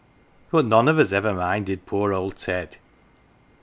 But none of us ever minded poor old Ted.